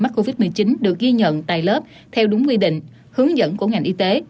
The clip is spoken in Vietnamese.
mắc covid một mươi chín được ghi nhận tại lớp theo đúng quy định hướng dẫn của ngành y tế